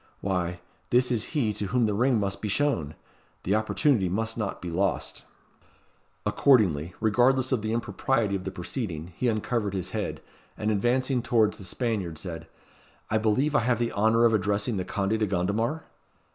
"Why, this is he to whom the ring must be shown. The opportunity must not be lost." Accordingly, regardless of the impropriety of the proceeding, he uncovered his head, and advancing towards the Spaniard said "I believe I have the honour of addressing the Conde de Gondomar?"